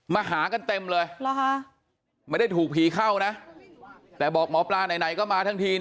มาหากันเต็มเลยไม่ได้ถูกผีเข้านะแต่บอกหมอปลาไหนก็มาทั้งที